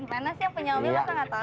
gimana sih yang punya om ilo kamu gak tau